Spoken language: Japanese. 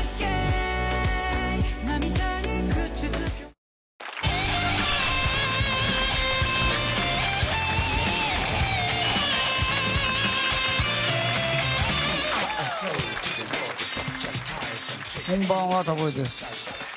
ニトリこんばんは、タモリです。